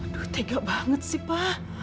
aduh tega banget sih pak